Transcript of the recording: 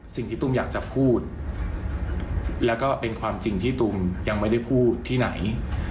สิ่งที่ตุ้มอยากจะพูดแล้วก็เป็นความจริงที่ตุ้มยังไม่ได้พูดที่ไหน